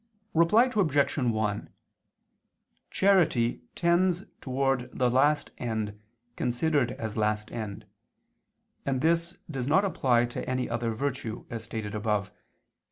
Reply Obj. 1: Charity tends towards the last end considered as last end: and this does not apply to any other virtue, as stated above (Q.